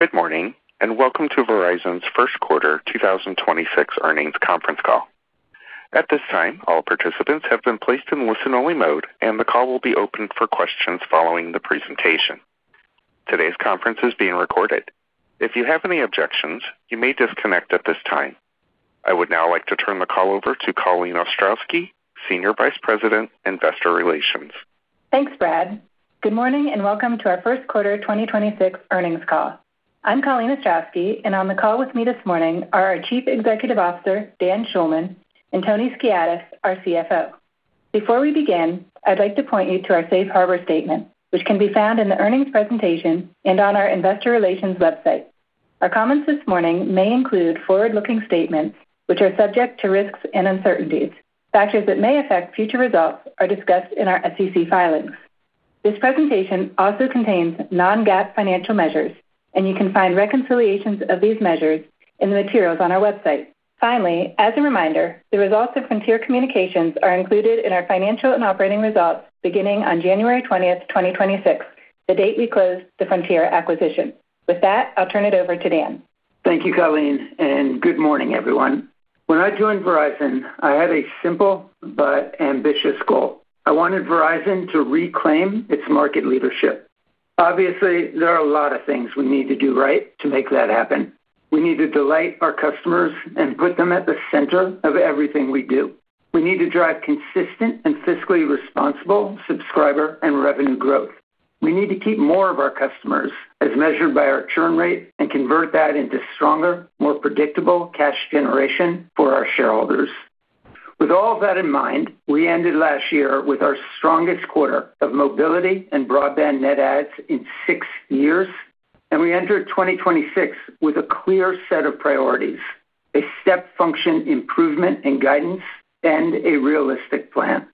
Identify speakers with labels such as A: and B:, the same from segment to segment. A: Good morning, and welcome to Verizon's First Quarter 2026 Earnings Conference Call. At this time, all participants have been placed in listen-only mode, and the call will be opened for questions following the presentation. Today's conference is being recorded. If you have any objections, you may disconnect at this time. I would now like to turn the call over to Colleen Ostrowski, Senior Vice President, Investor Relations.
B: Thanks, Brad. Good morning, and welcome to our first quarter 2026 earnings call. I'm Colleen Ostrowski, and on the call with me this morning are our Chief Executive Officer, Dan Schulman, and Tony Skiadas, our CFO. Before we begin, I'd like to point you to our safe harbor statement, which can be found in the earnings presentation and on our investor relations website. Our comments this morning may include forward-looking statements, which are subject to risks and uncertainties. Factors that may affect future results are discussed in our SEC filings. This presentation also contains non-GAAP financial measures, and you can find reconciliations of these measures in the materials on our website. Finally, as a reminder, the results of Frontier Communications are included in our financial and operating results beginning on January 20th, 2026, the date we closed the Frontier acquisition. With that, I'll turn it over to Dan.
C: Thank you, Colleen, and good morning, everyone. When I joined Verizon, I had a simple but ambitious goal. I wanted Verizon to reclaim its market leadership. Obviously, there are a lot of things we need to do right to make that happen. We need to delight our customers and put them at the center of everything we do. We need to drive consistent and fiscally responsible subscriber and revenue growth. We need to keep more of our customers as measured by our churn rate and convert that into stronger, more predictable cash generation for our shareholders. With all of that in mind, we ended last year with our strongest quarter of mobility and broadband net adds in six years, and we entered 2026 with a clear set of priorities, a step function improvement in guidance, and a realistic plan.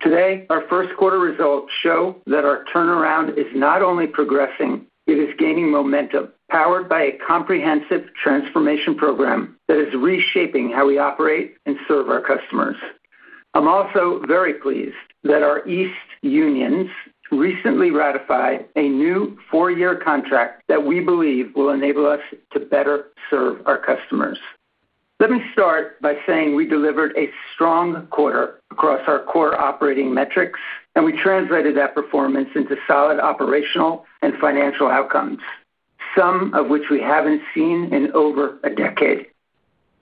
C: Today, our first quarter results show that our turnaround is not only progressing, it is gaining momentum, powered by a comprehensive transformation program that is reshaping how we operate and serve our customers. I'm also very pleased that our East unions recently ratified a new four-year contract that we believe will enable us to better serve our customers. Let me start by saying we delivered a strong quarter across our core operating metrics, and we translated that performance into solid operational and financial outcomes, some of which we haven't seen in over a decade.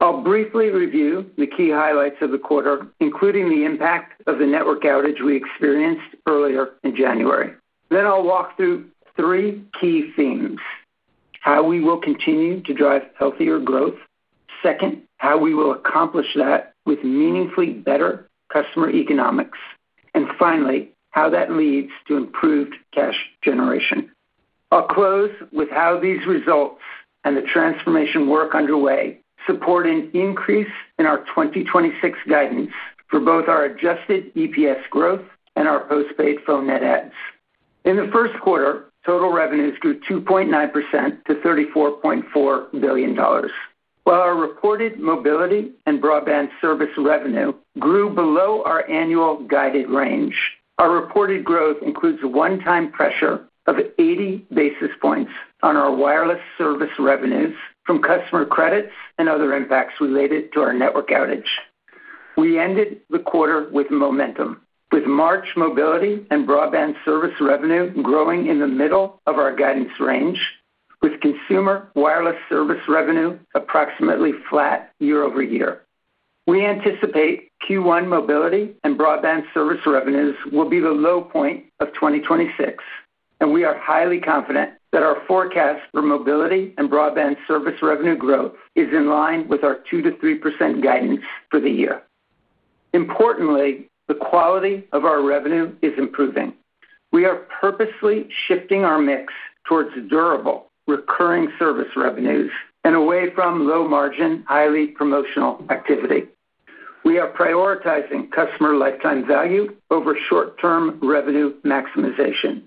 C: I'll briefly review the key highlights of the quarter, including the impact of the network outage we experienced earlier in January. I'll walk through three key themes. How we will continue to drive healthier growth. Second, how we will accomplish that with meaningfully better customer economics. Finally, how that leads to improved cash generation. I'll close with how these results and the transformation work underway support an increase in our 2026 guidance for both our adjusted EPS growth and our postpaid phone net adds. In the first quarter, total revenues grew 2.9% to $34.4 billion. While our reported mobility and broadband service revenue grew below our annual guided range, our reported growth includes a one-time pressure of 80 basis points on our wireless service revenues from customer credits and other impacts related to our network outage. We ended the quarter with momentum, with March mobility and broadband service revenue growing in the middle of our guidance range, with consumer wireless service revenue approximately flat year-over-year. We anticipate Q1 mobility and broadband service revenues will be the low point of 2026, and we are highly confident that our forecast for mobility and broadband service revenue growth is in line with our 2%-3% guidance for the year. Importantly, the quality of our revenue is improving. We are purposely shifting our mix towards durable, recurring service revenues and away from low-margin, highly promotional activity. We are prioritizing customer lifetime value over short-term revenue maximization.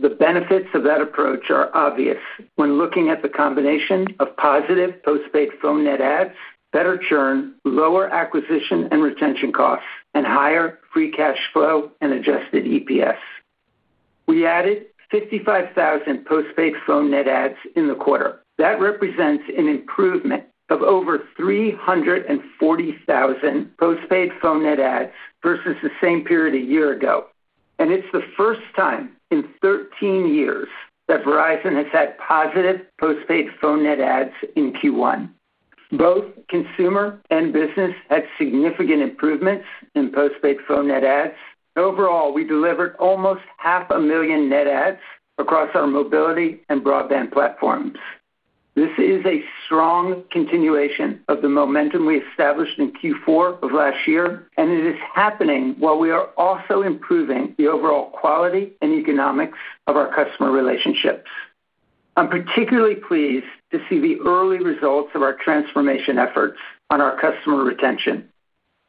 C: The benefits of that approach are obvious when looking at the combination of positive postpaid phone net adds, better churn, lower acquisition and retention costs, and higher free cash flow and adjusted EPS. We added 55,000 postpaid phone net adds in the quarter. That represents an improvement of over 340,000 postpaid phone net adds versus the same period a year ago, and it's the first time in 13 years that Verizon has had positive postpaid phone net adds in Q1. Both consumer and business had significant improvements in postpaid phone net adds. Overall, we delivered almost 500,000 net adds across our mobility and broadband platforms. This is a strong continuation of the momentum we established in Q4 of last year, and it is happening while we are also improving the overall quality and economics of our customer relationships. I'm particularly pleased to see the early results of our transformation efforts on our customer retention.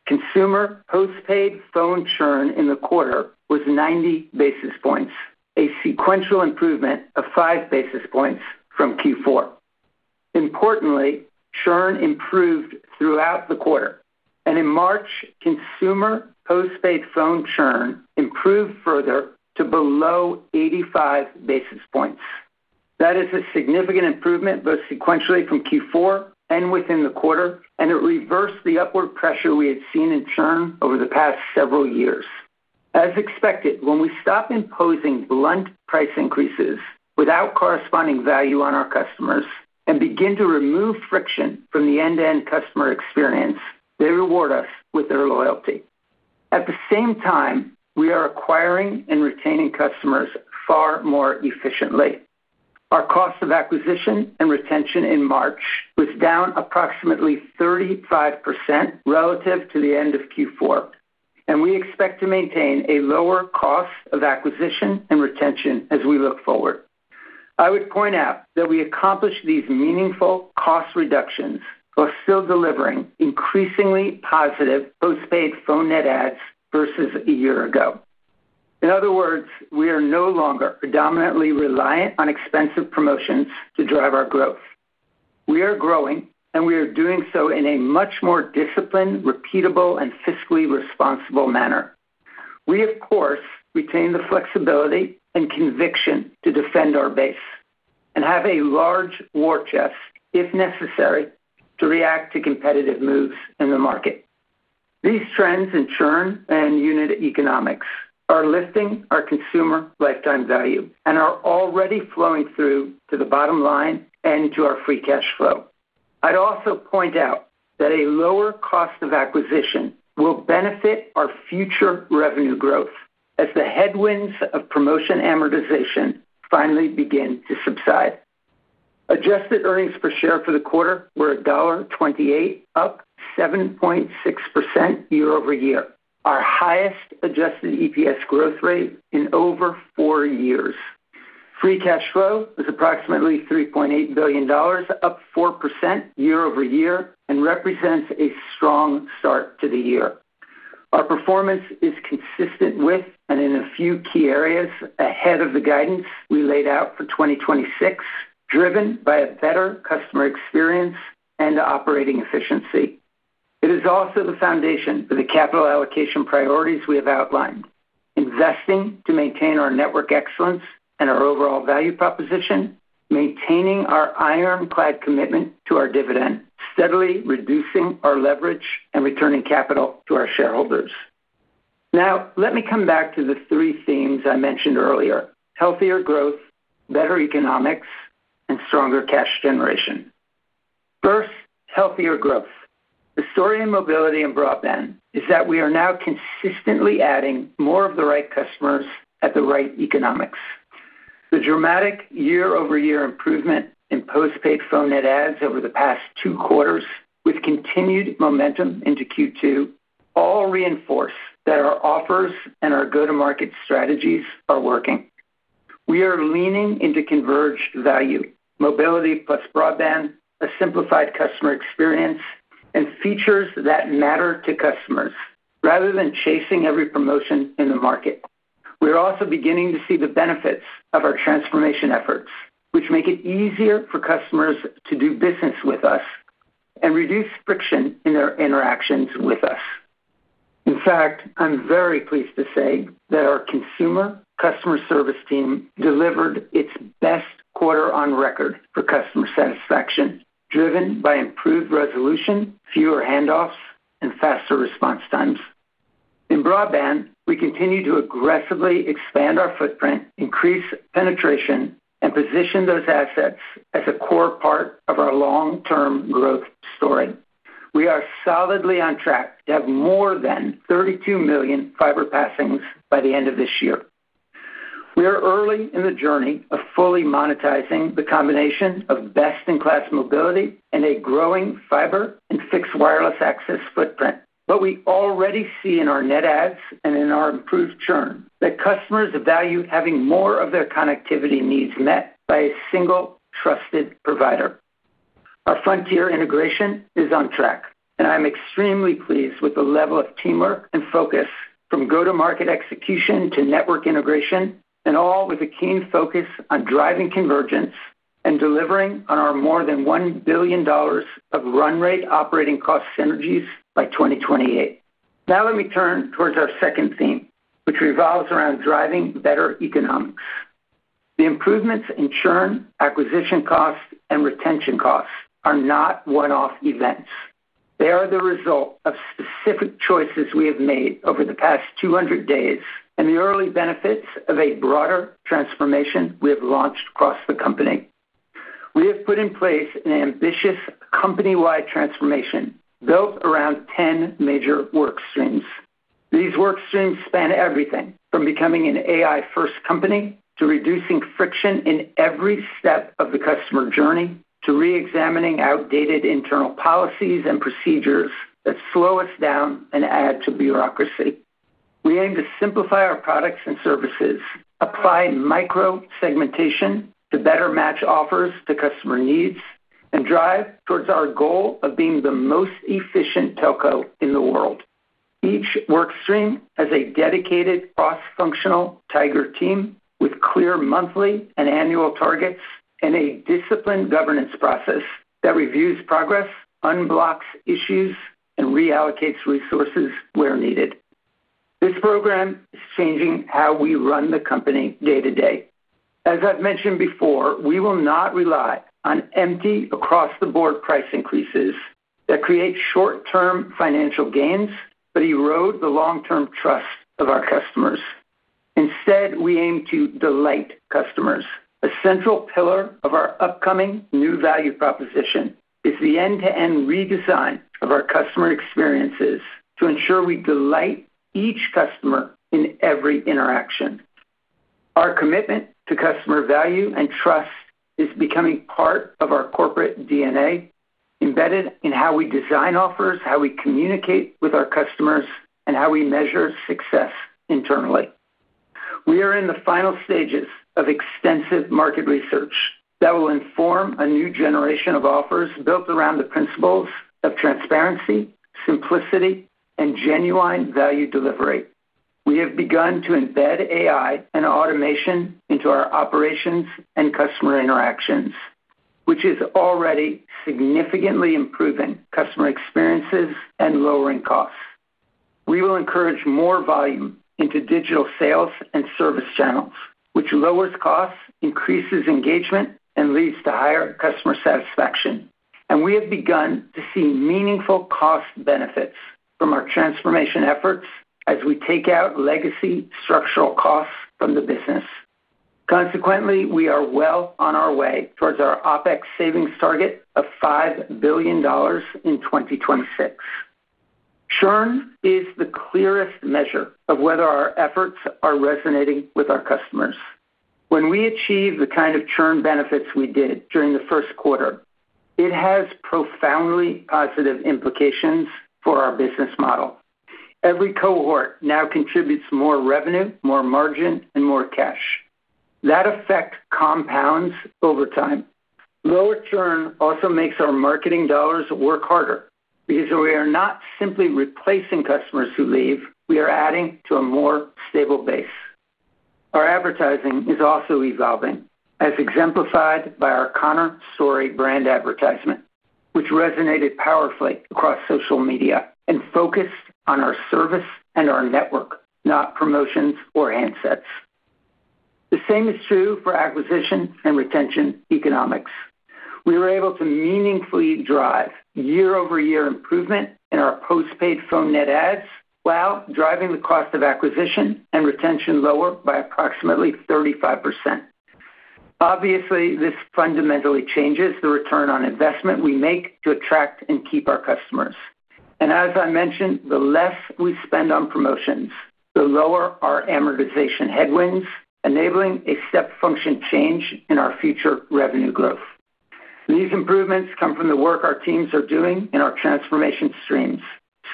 C: Consumer postpaid phone churn in the quarter was 90 basis points, a sequential improvement of 5 basis points from Q4. Importantly, churn improved throughout the quarter. In March, consumer postpaid phone churn improved further to below 85 basis points. That is a significant improvement both sequentially from Q4 and within the quarter, and it reversed the upward pressure we had seen in churn over the past several years. As expected, when we stop imposing blunt price increases without corresponding value on our customers and begin to remove friction from the end-to-end customer experience, they reward us with their loyalty. At the same time, we are acquiring and retaining customers far more efficiently. Our cost of acquisition and retention in March was down approximately 35% relative to the end of Q4, and we expect to maintain a lower cost of acquisition and retention as we look forward. I would point out that we accomplished these meaningful cost reductions while still delivering increasingly positive postpaid phone net adds versus a year ago. In other words, we are no longer predominantly reliant on expensive promotions to drive our growth. We are growing, and we are doing so in a much more disciplined, repeatable, and fiscally responsible manner. We, of course, retain the flexibility and conviction to defend our base and have a large war chest, if necessary, to react to competitive moves in the market. These trends in churn and unit economics are lifting our consumer lifetime value and are already flowing through to the bottom line and to our free cash flow. I'd also point out that a lower cost of acquisition will benefit our future revenue growth as the headwinds of promotion amortization finally begin to subside. Adjusted earnings per share for the quarter were $1.28, up 7.6% year-over-year, our highest adjusted EPS growth rate in over four years. Free cash flow was approximately $3.8 billion, up 4% year-over-year, and represents a strong start to the year. Our performance is consistent with and in a few key areas ahead of the guidance we laid out for 2026, driven by a better customer experience and operating efficiency. It is also the foundation for the capital allocation priorities we have outlined, investing to maintain our network excellence and our overall value proposition, maintaining our ironclad commitment to our dividend, steadily reducing our leverage, and returning capital to our shareholders. Now, let me come back to the three themes I mentioned earlier. Healthier growth, better economics, and stronger cash generation. First, healthier growth. The story in mobility and broadband is that we are now consistently adding more of the right customers at the right economics. The dramatic year-over-year improvement in postpaid phone net adds over the past two quarters, with continued momentum into Q2, all reinforce that our offers and our go-to-market strategies are working. We are leaning into converged value, mobility plus broadband, a simplified customer experience, and features that matter to customers rather than chasing every promotion in the market. We are also beginning to see the benefits of our transformation efforts, which make it easier for customers to do business with us and reduce friction in their interactions with us. In fact, I'm very pleased to say that our consumer customer service team delivered its best quarter on record for customer satisfaction, driven by improved resolution, fewer handoffs, and faster response times. In broadband, we continue to aggressively expand our footprint, increase penetration, and position those assets as a core part of our long-term growth story. We are solidly on track to have more than 32 million fiber passings by the end of this year. We are early in the journey of fully monetizing the combination of best-in-class mobility and a growing fiber and fixed wireless access footprint. We already see in our net adds and in our improved churn that customers value having more of their connectivity needs met by a single trusted provider. Our Frontier integration is on track, and I'm extremely pleased with the level of teamwork and focus from go-to-market execution to network integration, and all with a keen focus on driving convergence and delivering on our more than $1 billion of run rate operating cost synergies by 2028. Now let me turn towards our second theme, which revolves around driving better economics. The improvements in churn, acquisition costs, and retention costs are not one-off events. They are the result of specific choices we have made over the past 200 days and the early benefits of a broader transformation we have launched across the company. We have put in place an ambitious company-wide transformation built around 10 major work streams. These work streams span everything from becoming an AI-first company to reducing friction in every step of the customer journey to reexamining outdated internal policies and procedures that slow us down and add to bureaucracy. We aim to simplify our products and services, apply micro-segmentation to better match offers to customer needs, and drive towards our goal of being the most efficient telco in the world. Each workstream has a dedicated cross-functional tiger team with clear monthly and annual targets and a disciplined governance process that reviews progress, unblocks issues, and reallocates resources where needed. This program is changing how we run the company day to day. As I've mentioned before, we will not rely on empty across-the-board price increases that create short-term financial gains but erode the long-term trust of our customers. Instead, we aim to delight customers. A central pillar of our upcoming new value proposition is the end-to-end redesign of our customer experiences to ensure we delight each customer in every interaction. Our commitment to customer value and trust is becoming part of our corporate DNA, embedded in how we design offers, how we communicate with our customers, and how we measure success internally. We are in the final stages of extensive market research that will inform a new generation of offers built around the principles of transparency, simplicity, and genuine value delivery. We have begun to embed AI and automation into our operations and customer interactions, which is already significantly improving customer experiences and lowering costs. We will encourage more volume into digital sales and service channels, which lowers costs, increases engagement, and leads to higher customer satisfaction. We have begun to see meaningful cost benefits from our transformation efforts as we take out legacy structural costs from the business. Consequently, we are well on our way towards our OpEx savings target of $5 billion in 2026. Churn is the clearest measure of whether our efforts are resonating with our customers. When we achieve the kind of churn benefits we did during the first quarter, it has profoundly positive implications for our business model. Every cohort now contributes more revenue, more margin, and more cash. That effect compounds over time. Lower churn also makes our marketing dollars work harder because we are not simply replacing customers who leave, we are adding to a more stable base. Our advertising is also evolving, as exemplified by our Connor's Story brand advertisement, which resonated powerfully across social media and focused on our service and our network, not promotions or handsets. The same is true for acquisition and retention economics. We were able to meaningfully drive year-over-year improvement in our postpaid phone net adds while driving the cost of acquisition and retention lower by approximately 35%. Obviously, this fundamentally changes the return on investment we make to attract and keep our customers. As I mentioned, the less we spend on promotions, the lower our amortization headwinds, enabling a step function change in our future revenue growth. These improvements come from the work our teams are doing in our transformation streams.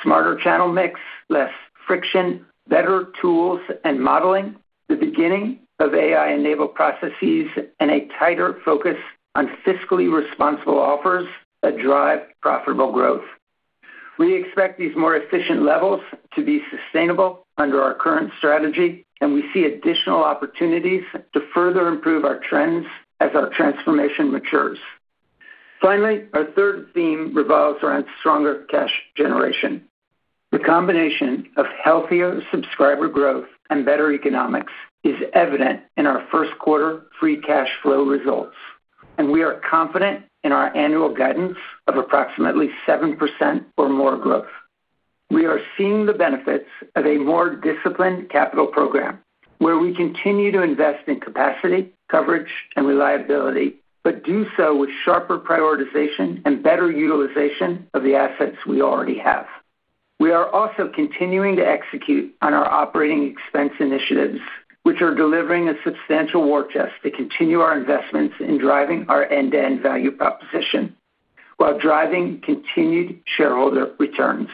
C: Smarter channel mix, less friction, better tools and modeling, the beginning of AI-enabled processes, and a tighter focus on fiscally responsible offers that drive profitable growth. We expect these more efficient levels to be sustainable under our current strategy, and we see additional opportunities to further improve our trends as our transformation matures. Finally, our third theme revolves around stronger cash generation. The combination of healthier subscriber growth and better economics is evident in our first quarter free cash flow results, and we are confident in our annual guidance of approximately 7% or more growth. We are seeing the benefits of a more disciplined capital program where we continue to invest in capacity, coverage, and reliability, but do so with sharper prioritization and better utilization of the assets we already have. We are also continuing to execute on our operating expense initiatives, which are delivering a substantial war chest to continue our investments in driving our end-to-end value proposition while driving continued shareholder returns.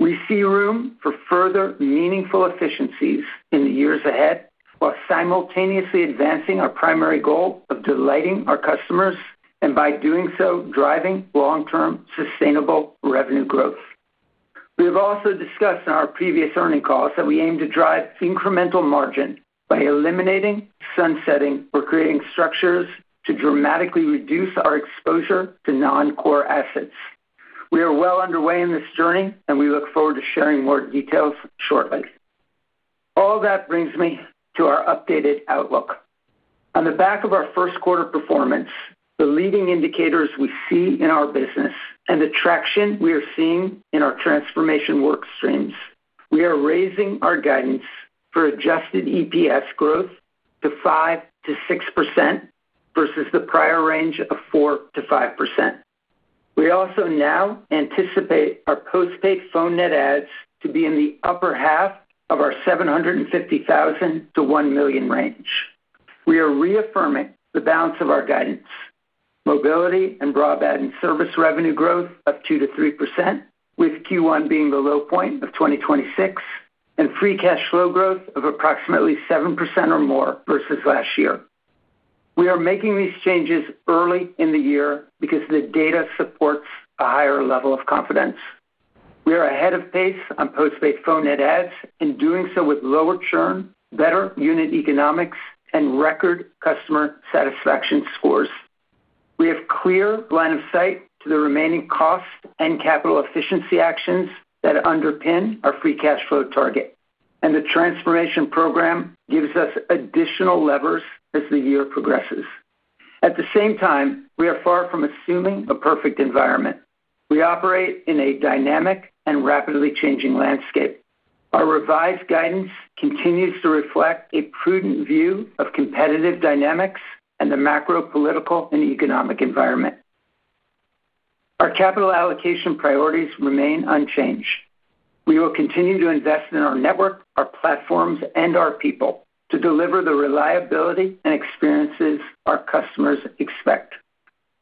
C: We see room for further meaningful efficiencies in the years ahead while simultaneously advancing our primary goal of delighting our customers, and by doing so, driving long-term sustainable revenue growth. We have also discussed in our previous earnings calls that we aim to drive incremental margin by eliminating, sunsetting, or creating structures to dramatically reduce our exposure to non-core assets. We are well underway in this journey, and we look forward to sharing more details shortly. All that brings me to our updated outlook. On the back of our first quarter performance, the leading indicators we see in our business and the traction we are seeing in our transformation work streams, we are raising our guidance for adjusted EPS growth to 5%-6% versus the prior range of 4%-5%. We also now anticipate our postpaid phone net adds to be in the upper half of our 750,000-1 million range. We are reaffirming the balance of our guidance, mobility and broadband service revenue growth of 2%-3%, with Q1 being the low point of 2026, and free cash flow growth of approximately 7% or more versus last year. We are making these changes early in the year because the data supports a higher level of confidence. We are ahead of pace on postpaid phone net adds, and doing so with lower churn, better unit economics, and record customer satisfaction scores. We have clear line of sight to the remaining costs and capital efficiency actions that underpin our free cash flow target, and the transformation program gives us additional levers as the year progresses. At the same time, we are far from assuming a perfect environment. We operate in a dynamic and rapidly changing landscape. Our revised guidance continues to reflect a prudent view of competitive dynamics and the macro political and economic environment. Our capital allocation priorities remain unchanged. We will continue to invest in our network, our platforms, and our people to deliver the reliability and experiences our customers expect.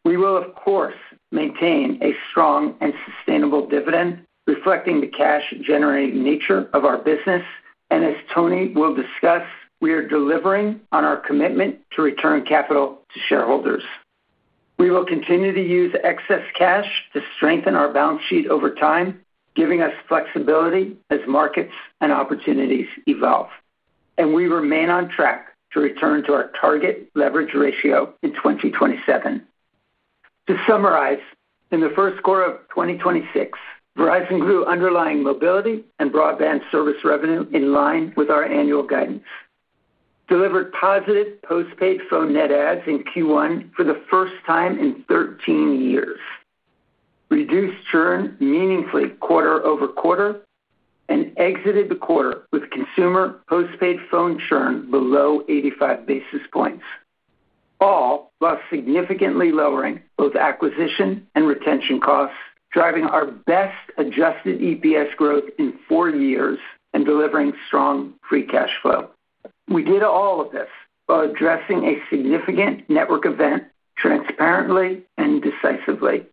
C: We will, of course, maintain a strong and sustainable dividend, reflecting the cash-generating nature of our business. As Tony will discuss, we are delivering on our commitment to return capital to shareholders. We will continue to use excess cash to strengthen our balance sheet over time, giving us flexibility as markets and opportunities evolve. We remain on track to return to our target leverage ratio in 2027. To summarize, in the first quarter of 2026, Verizon grew underlying mobility and broadband service revenue in line with our annual guidance, delivered positive postpaid phone net adds in Q1 for the first time in 13 years, reduced churn meaningfully quarter-over-quarter, and exited the quarter with consumer postpaid phone churn below 85 basis points. All while significantly lowering both acquisition and retention costs, driving our best adjusted EPS growth in four years and delivering strong free cash flow. We did all of this while addressing a significant network event transparently and decisively.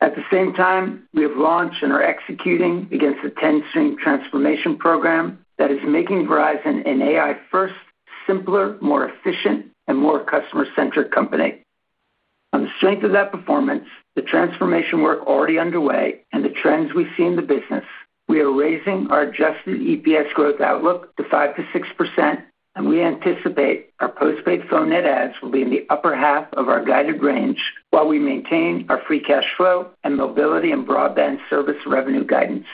C: At the same time, we have launched and are executing against a 10-string transformation program that is making Verizon an AI-first, simpler, more efficient, and more customer-centric company. On the strength of that performance, the transformation work already underway, and the trends we see in the business, we are raising our adjusted EPS growth outlook to 5%-6%, and we anticipate our postpaid phone net adds will be in the upper half of our guided range while we maintain our free cash flow and mobility and broadband service revenue guidance.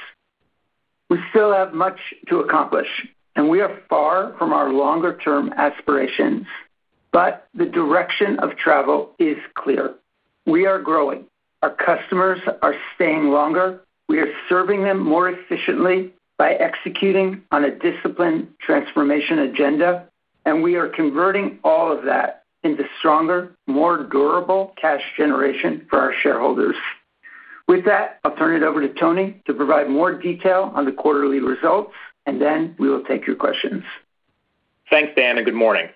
C: We still have much to accomplish, and we are far from our longer-term aspirations, but the direction of travel is clear. We are growing. Our customers are staying longer. We are serving them more efficiently by executing on a disciplined transformation agenda, and we are converting all of that into stronger, more durable cash generation for our shareholders. With that, I'll turn it over to Tony to provide more detail on the quarterly results, and then we will take your questions.
D: Thanks, Dan, and good morning.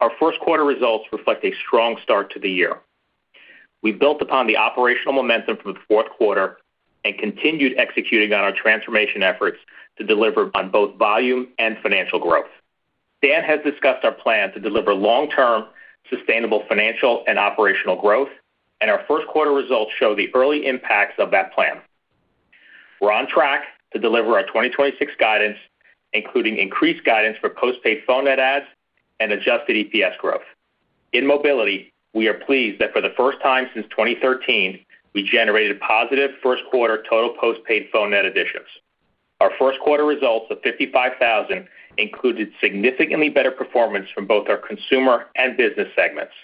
D: Our first quarter results reflect a strong start to the year. We built upon the operational momentum from the fourth quarter and continued executing on our transformation efforts to deliver on both volume and financial growth. Dan has discussed our plan to deliver long-term sustainable financial and operational growth, and our first quarter results show the early impacts of that plan. We're on track to deliver our 2026 guidance, including increased guidance for postpaid phone net adds and adjusted EPS growth. In mobility, we are pleased that for the first time since 2013, we generated positive first quarter total postpaid phone net additions. Our first quarter results of 55,000 included significantly better performance from both our consumer and business segments.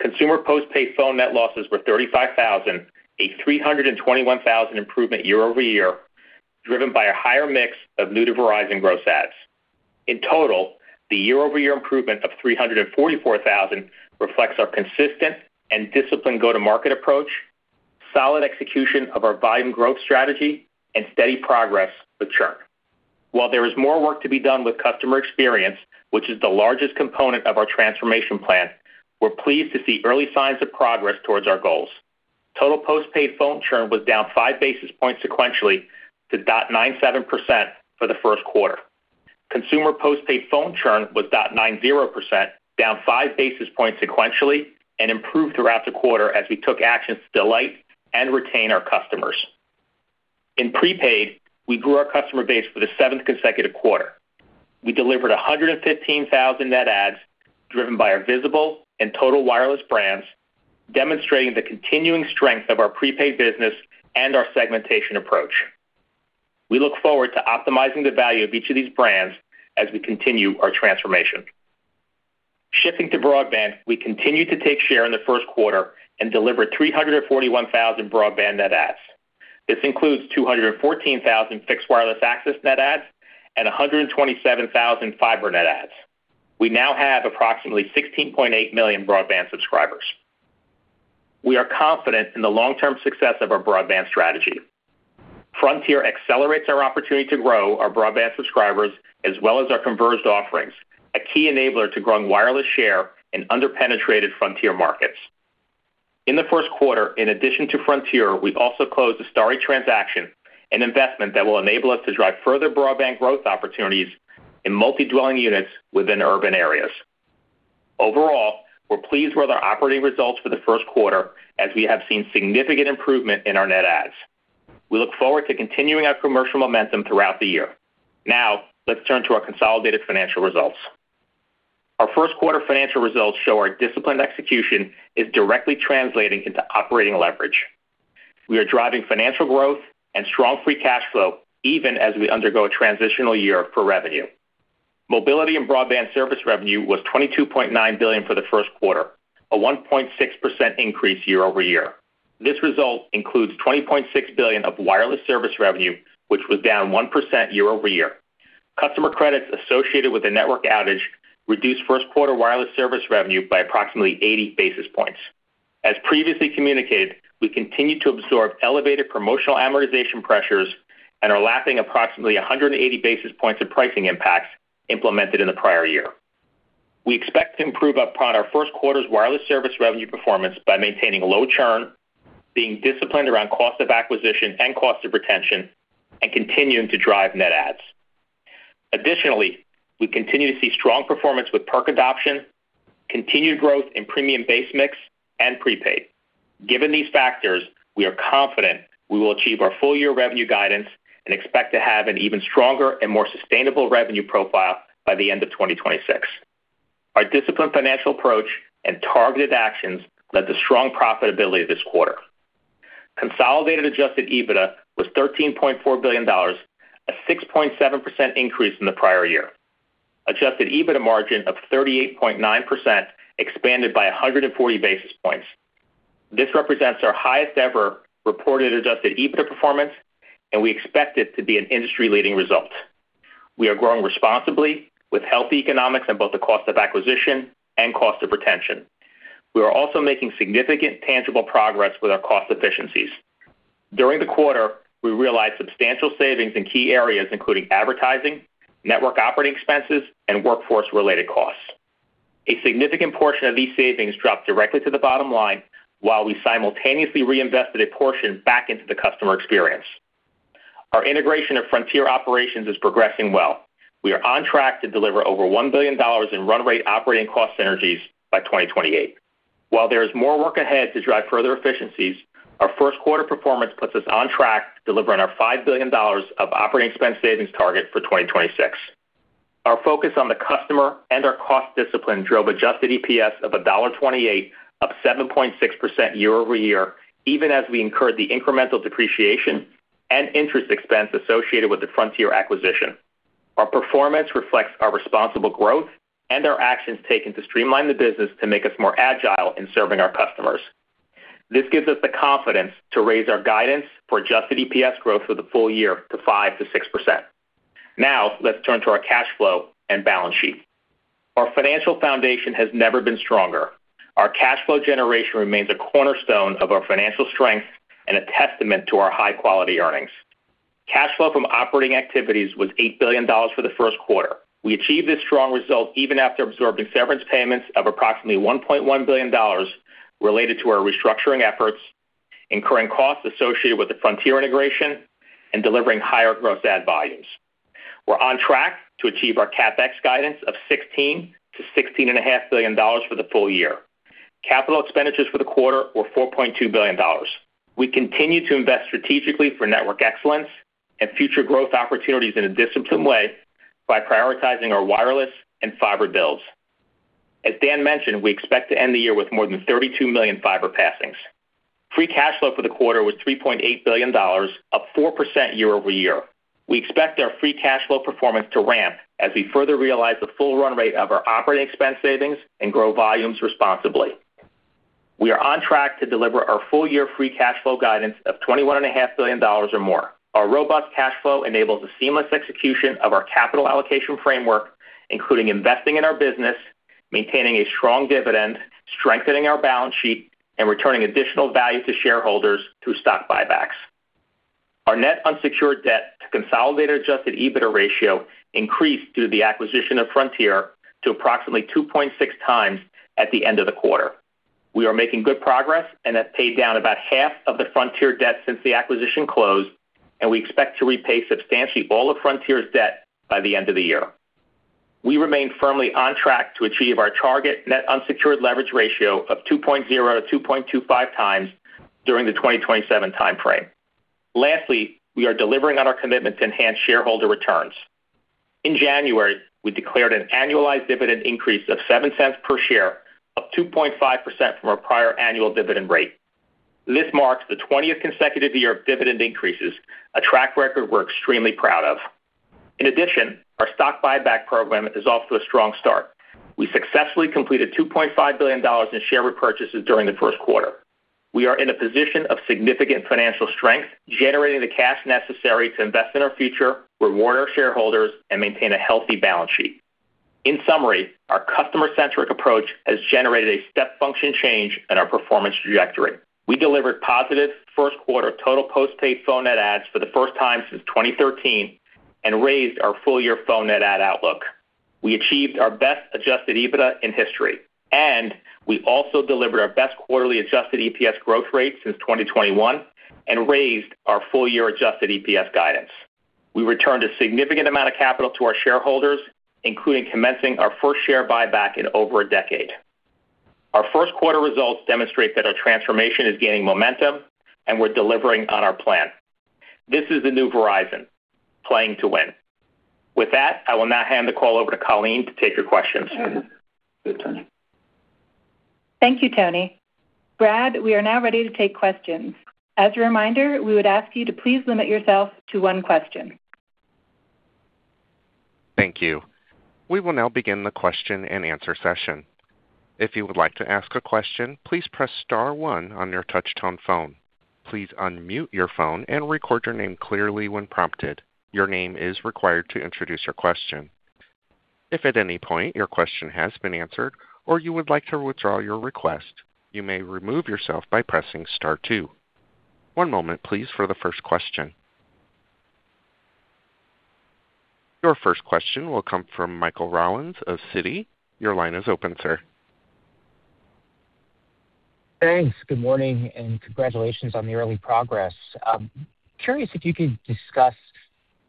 D: Consumer postpaid phone net losses were 35,000, a 321,000-improvement year-over-year, driven by a higher mix of new-to-Verizon gross adds. In total, the year-over-year improvement of 344,000 reflects our consistent and disciplined go-to-market approach, solid execution of our volume growth strategy, and steady progress with churn. While there is more work to be done with customer experience, which is the largest component of our transformation plan, we're pleased to see early signs of progress towards our goals. Total postpaid phone churn was down 5 basis points sequentially to 0.97% for the first quarter. Consumer postpaid phone churn was 0.90%, down 5 basis points sequentially and improved throughout the quarter as we took actions to delight and retain our customers. In prepaid, we grew our customer base for the seventh consecutive quarter. We delivered 115,000 net adds driven by our Visible and Total Wireless brands, demonstrating the continuing strength of our prepaid business and our segmentation approach. We look forward to optimizing the value of each of these brands as we continue our transformation. Shifting to broadband, we continued to take share in the first quarter and delivered 341,000 broadband net adds. This includes 214,000 fixed wireless access net adds and 127,000 fiber net adds. We now have approximately 16.8 million broadband subscribers. We are confident in the long-term success of our broadband strategy. Frontier accelerates our opportunity to grow our broadband subscribers as well as our converged offerings, a key enabler to growing wireless share in under-penetrated frontier markets. In the first quarter, in addition to Frontier, we've also closed the Starry transaction, an investment that will enable us to drive further broadband growth opportunities in multi-dwelling units within urban areas. Overall, we're pleased with our operating results for the first quarter as we have seen significant improvement in our net adds. We look forward to continuing our commercial momentum throughout the year. Now let's turn to our consolidated financial results. Our first quarter financial results show our disciplined execution is directly translating into operating leverage. We are driving financial growth and strong free cash flow even as we undergo a transitional year for revenue. Mobility and broadband service revenue was $22.9 billion for the first quarter, a 1.6% increase year-over-year. This result includes $20.6 billion of wireless service revenue, which was down 1% year-over-year. Customer credits associated with the network outage reduced first quarter wireless service revenue by approximately 80 basis points. As previously communicated, we continue to absorb elevated promotional amortization pressures and are lapping approximately 180 basis points of pricing impacts implemented in the prior year. We expect to improve upon our first quarter's wireless service revenue performance by maintaining low churn, being disciplined around cost of acquisition and cost of retention, and continuing to drive net adds. Additionally, we continue to see strong performance with perk adoption, continued growth in premium base mix, and prepaid. Given these factors, we are confident we will achieve our full-year revenue guidance and expect to have an even stronger and more sustainable revenue profile by the end of 2026. Our disciplined financial approach and targeted actions led to strong profitability this quarter. Consolidated adjusted EBITDA was $13.4 billion, a 6.7% increase from the prior year. Adjusted EBITDA margin of 38.9% expanded by 140 basis points. This represents our highest ever reported adjusted EBITDA performance, and we expect it to be an industry-leading result. We are growing responsibly with healthy economics in both the cost of acquisition and cost of retention. We are also making significant tangible progress with our cost efficiencies. During the quarter, we realized substantial savings in key areas including advertising, network operating expenses, and workforce-related costs. A significant portion of these savings dropped directly to the bottom line while we simultaneously reinvested a portion back into the customer experience. Our integration of Frontier operations is progressing well. We are on track to deliver over $1 billion in run rate operating cost synergies by 2028. While there is more work ahead to drive further efficiencies, our first quarter performance puts us on track delivering our $5 billion of operating expense savings target for 2026. Our focus on the customer and our cost discipline drove adjusted EPS of $1.28, up 7.6% year-over-year, even as we incurred the incremental depreciation and interest expense associated with the Frontier acquisition. Our performance reflects our responsible growth and our actions taken to streamline the business to make us more agile in serving our customers. This gives us the confidence to raise our guidance for adjusted EPS growth for the full year to 5%-6%. Now let's turn to our cash flow and balance sheet. Our financial foundation has never been stronger. Our cash flow generation remains a cornerstone of our financial strength and a testament to our high-quality earnings. Cash flow from operating activities was $8 billion for the first quarter. We achieved this strong result even after absorbing severance payments of approximately $1.1 billion related to our restructuring efforts, incurring costs associated with the Frontier integration, and delivering higher gross add volumes. We're on track to achieve our CapEx guidance of $16 billion-$16.5 billion for the full year. Capital expenditures for the quarter were $4.2 billion. We continue to invest strategically for network excellence and future growth opportunities in a disciplined way by prioritizing our wireless and fiber builds. As Dan mentioned, we expect to end the year with more than 32 million fiber passings. Free cash flow for the quarter was $3.8 billion, up 4% year-over-year. We expect our free cash flow performance to ramp as we further realize the full run rate of our operating expense savings and grow volumes responsibly. We are on track to deliver our full-year free cash flow guidance of $21.5 billion or more. Our robust cash flow enables the seamless execution of our capital allocation framework, including investing in our business, maintaining a strong dividend, strengthening our balance sheet, and returning additional value to shareholders through stock buybacks. Our net unsecured debt to consolidated adjusted EBITDA ratio increased due to the acquisition of Frontier to approximately 2.6x at the end of the quarter. We are making good progress and have paid down about half of the Frontier debt since the acquisition closed, and we expect to repay substantially all of Frontier's debt by the end of the year. We remain firmly on track to achieve our target net unsecured leverage ratio of 2.0x-2.25x during the 2027 time frame. Lastly, we are delivering on our commitment to enhance shareholder returns. In January, we declared an annualized dividend increase of $0.07 per share, up 2.5% from our prior annual dividend rate. This marks the twentieth consecutive year of dividend increases, a track record we're extremely proud of. In addition, our stock buyback program is off to a strong start. We successfully completed $2.5 billion in share repurchases during the first quarter. We are in a position of significant financial strength, generating the cash necessary to invest in our future, reward our shareholders, and maintain a healthy balance sheet. In summary, our customer-centric approach has generated a step function change in our performance trajectory. We delivered positive first quarter total postpaid phone net adds for the first time since 2013 and raised our full-year phone net add outlook. We achieved our best adjusted EBITDA in history, and we also delivered our best quarterly adjusted EPS growth rate since 2021 and raised our full year adjusted EPS guidance. We returned a significant amount of capital to our shareholders, including commencing our first share buyback in over a decade. Our first quarter results demonstrate that our transformation is gaining momentum and we're delivering on our plan. This is the new Verizon, playing to win. With that, I will now hand the call over to Colleen to take your questions.
B: Thank you, Tony. Brad, we are now ready to take questions. As a reminder, we would ask you to please limit yourself to one question.
A: Thank you. We will now begin the question-and-answer session. If you would like to ask a question, please press star one on your touch tone phone. Please unmute your phone and record your name clearly when prompted. Your name is required to introduce your question. If at any point your question has been answered or you would like to withdraw your request, you may remove yourself by pressing star two. One moment please for the first question. Your first question will come from Michael Rollins of Citi. Your line is open, sir.
E: Thanks. Good morning and congratulations on the early progress. Curious if you could discuss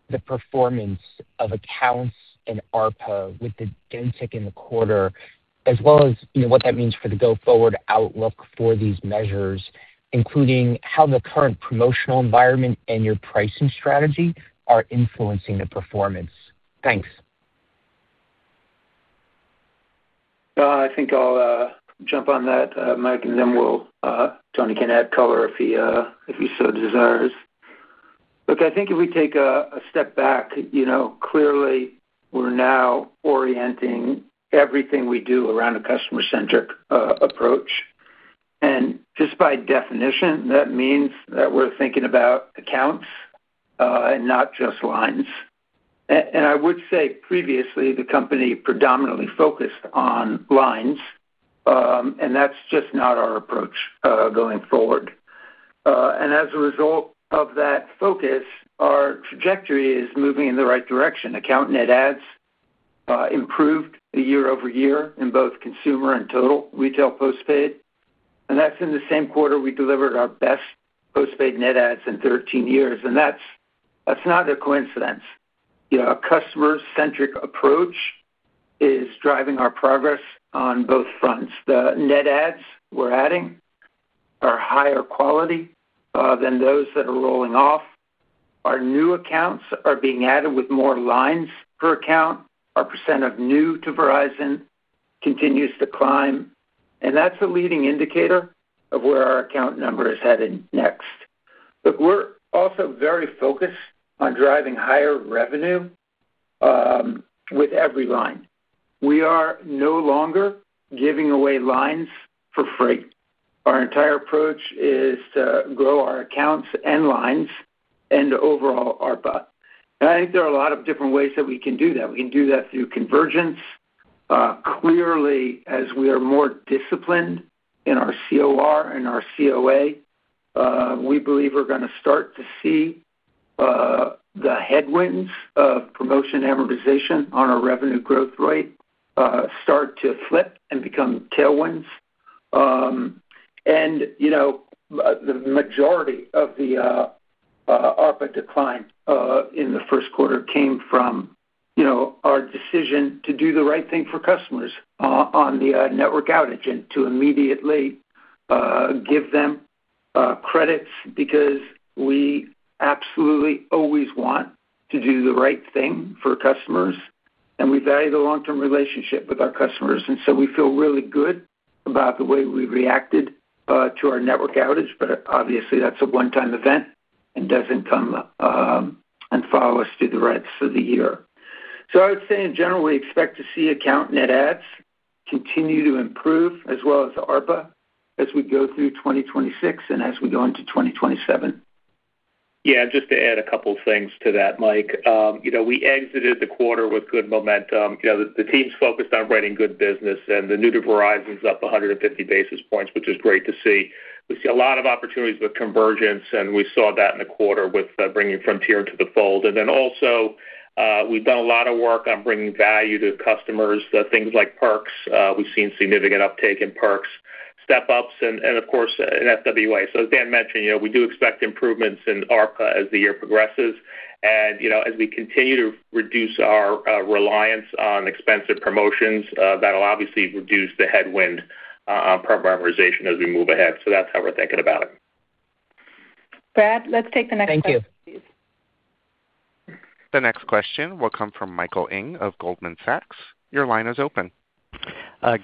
E: the performance of accounts and ARPA with the business in the quarter, as well as, you know, what that means for the go-forward outlook for these measures, including how the current promotional environment and your pricing strategy are influencing the performance. Thanks.
C: I think I'll jump on that, Mike, and then we'll Tony can add color if he so desires. Look, I think if we take a step back, you know, clearly we're now orienting everything we do around a customer-centric approach. Just by definition, that means that we're thinking about accounts and not just lines. I would say previously, the company predominantly focused on lines, and that's just not our approach going forward. As a result of that focus, our trajectory is moving in the right direction. Account net adds improved year-over-year in both consumer and total retail postpaid, and that's in the same quarter we delivered our best postpaid net adds in 13 years, and that's not a coincidence. A customer-centric approach is driving our progress on both fronts. The net adds we're adding are higher quality than those that are rolling off. Our new accounts are being added with more lines per account. Our percent of new to Verizon continues to climb, and that's a leading indicator of where our account number is headed next. Look, we're also very focused on driving higher revenue with every line. We are no longer giving away lines for free. Our entire approach is to grow our accounts and lines and overall ARPA. I think there are a lot of different ways that we can do that. We can do that through convergence. Clearly, as we are more disciplined in our COR and our COA, we believe we're gonna start to see the headwinds of promotion amortization on our revenue growth rate start to flip and become tailwinds. You know, the majority of the ARPA decline in the first quarter came from our decision to do the right thing for customers on the network outage and to immediately give them credits because we absolutely always want to do the right thing for customers and we value the long-term relationship with our customers. We feel really good about the way we reacted to our network outage, but obviously that's a one-time event and doesn't come and follow us through the rest of the year. I would say in general, we expect to see account net adds continue to improve as well as ARPA as we go through 2026 and as we go into 2027.
D: Yeah, just to add a couple things to that, Mike. You know, we exited the quarter with good momentum. You know, the team's focused on running good business and the new to Verizon's up 150 basis points, which is great to see. We see a lot of opportunities with convergence, and we saw that in the quarter with bringing Frontier into the fold. Then also, we've done a lot of work on bringing value to customers, the things like perks. We've seen significant uptake in perks, step ups and of course, in FWA. As Dan mentioned, you know, we do expect improvements in ARPA as the year progresses. You know, as we continue to reduce our reliance on expensive promotions, that'll obviously reduce the headwind on promo amortization as we move ahead. That's how we're thinking about it.
B: Brad, let's take the next question.
E: Thank you.
A: The next question will come from Michael Ng of Goldman Sachs. Your line is open.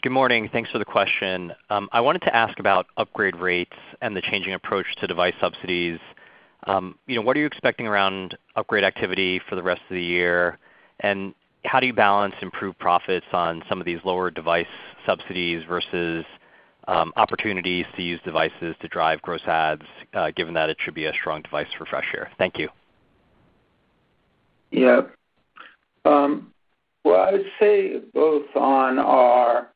F: Good morning. Thanks for the question. I wanted to ask about upgrade rates and the changing approach to device subsidies. You know, what are you expecting around upgrade activity for the rest of the year, and how do you balance improved profits on some of these lower device subsidies versus opportunities to use devices to drive gross adds, given that it should be a strong device refresh year? Thank you.
C: Yeah. Well, I would say both on our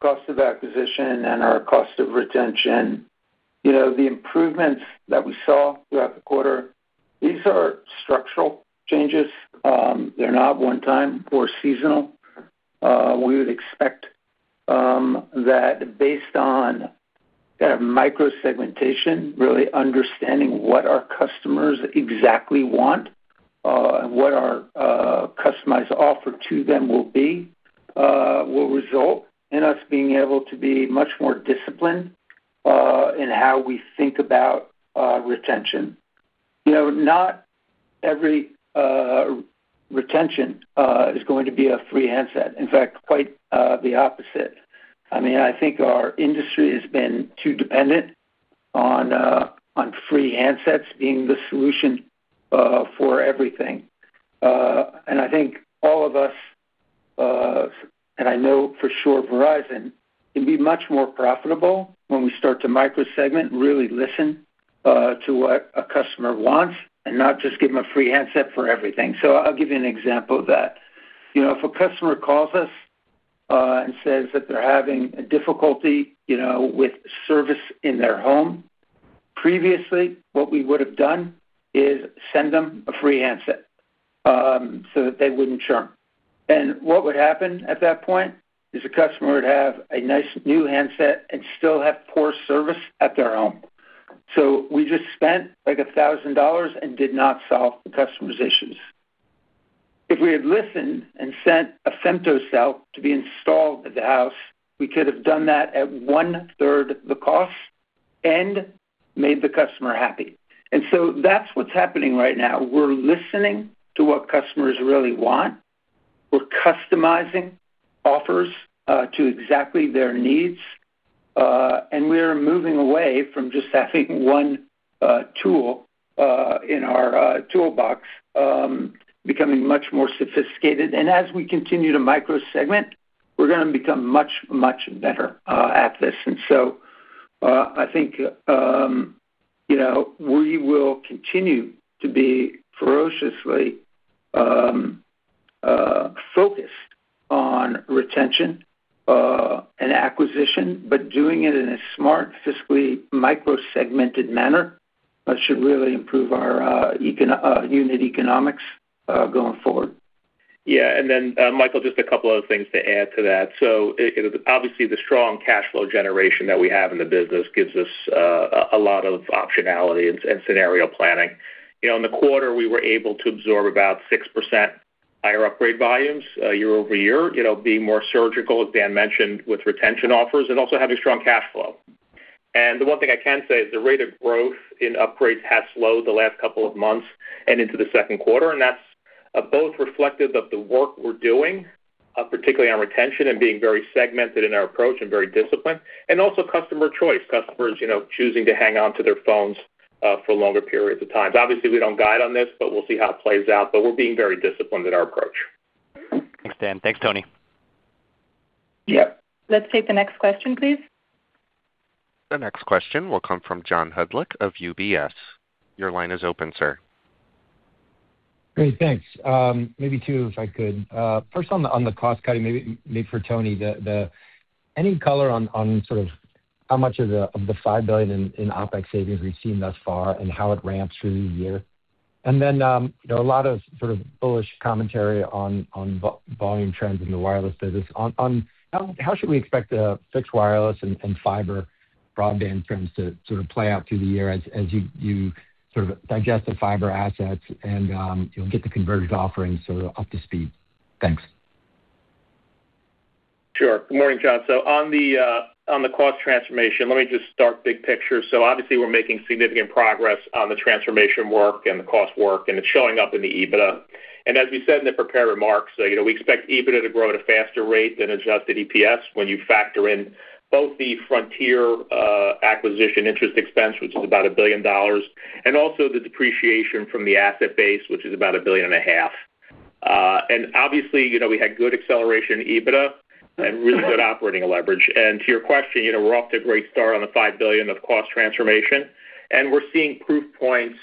C: cost of acquisition and our cost of retention, you know, the improvements that we saw throughout the quarter, these are structural changes. They're not one-time or seasonal. We would expect that based on that micro-segmentation, really understanding what our customers exactly want, and what our customized offer to them will be, will result in us being able to be much more disciplined in how we think about retention. You know, not every retention is going to be a free handset. In fact, quite the opposite. I mean, I think our industry has been too dependent on free handsets being the solution for everything. I think all of us, and I know for sure Verizon can be much more profitable when we start to micro segment, really listen, to what a customer wants and not just give them a free handset for everything. I'll give you an example of that. You know, if a customer calls us, and says that they're having a difficulty, you know, with service in their home, previously, what we would have done is send them a free handset, so that they wouldn't churn. What would happen at that point is the customer would have a nice new handset and still have poor service at their home. We just spent, like, $1,000 and did not solve the customer's issues. If we had listened and sent a Femtocell to be installed at the house, we could have done that at one-third the cost and made the customer happy. That's what's happening right now. We're listening to what customers really want. We're customizing offers to exactly their needs, and we are moving away from just having one tool in our toolbox, becoming much more sophisticated. As we continue to micro segment, we're gonna become much, much better at this. I think, you know, we will continue to be ferociously focused on retention and acquisition. Doing it in a smart, fiscally micro-segmented manner should really improve our unit economics going forward.
D: Yeah. Michael, just a couple other things to add to that. Obviously the strong cash flow generation that we have in the business gives us a lot of optionality and scenario planning. You know, in the quarter, we were able to absorb about 6% higher upgrade volumes year-over-year, you know, being more surgical, as Dan mentioned, with retention offers and also having strong cash flow. The one thing I can say is the rate of growth in upgrades has slowed the last couple of months and into the second quarter. That's both reflective of the work we're doing, particularly on retention and being very segmented in our approach and very disciplined and also customer choice, customers, you know, choosing to hang on to their phones for longer periods of time. Obviously we don't guide on this, but we'll see how it plays out. We're being very disciplined in our approach.
F: Thanks, Dan. Thanks, Tony.
C: Yeah.
B: Let's take the next question, please.
A: The next question will come from John Hodulik of UBS. Your line is open, sir.
G: Great. Thanks. Maybe two, if I could. First on the cost cutting, maybe for Tony. Any color on sort of how much of the $5 billion in OpEx savings we've seen thus far and how it ramps through the year? Then, there are a lot of sort of bullish commentary on volume trends in the wireless business. How should we expect the fixed wireless and fiber broadband trends to sort of play out through the year as you sort of digest the fiber assets and get the converged offerings sort of up to speed? Thanks.
D: Sure. Good morning, John. On the cost transformation, let me just start big picture. Obviously we're making significant progress on the transformation work and the cost work and it's showing up in the EBITDA. As we said in the prepared remarks, you know, we expect EBITDA to grow at a faster rate than adjusted EPS when you factor in both the Frontier acquisition interest expense, which is about $1 billion, and also the depreciation from the asset base, which is about $1.5 billion. Obviously, you know, we had good acceleration in EBITDA and really good operating leverage. To your question, you know, we're off to a great start on the $5 billion of cost transformation, and we're seeing proof points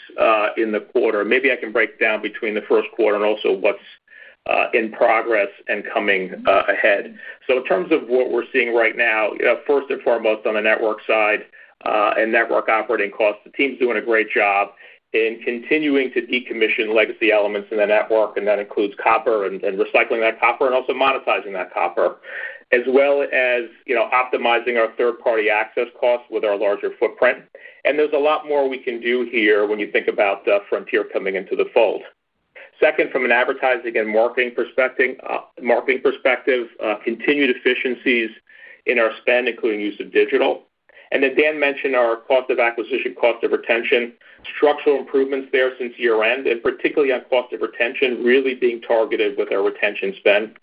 D: in the quarter. Maybe I can break down between the first quarter and also what's in progress and coming ahead. In terms of what we're seeing right now, first and foremost on the network side and network operating costs, the team's doing a great job in continuing to decommission legacy elements in the network, and that includes copper and recycling that copper and also monetizing that copper, as well as you know, optimizing our third party access costs with our larger footprint. There's a lot more we can do here when you think about the Frontier coming into the fold. Second, from an advertising and marketing perspective, continued efficiencies in our spend, including use of digital. As Dan mentioned, our cost of acquisition, cost of retention, structural improvements there since year-end and particularly on cost of retention, really being targeted with our retention spend.